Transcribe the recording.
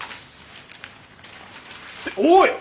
っておい！